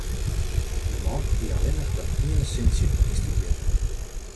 De man hie allinnich dat iene sintsje ynstudearre.